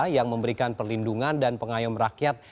yang memberikan perlindungan dan pengayom rakyat